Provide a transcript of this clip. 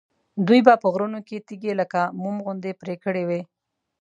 دوی به په غرونو کې تیږې لکه موم غوندې پرې کړې وي.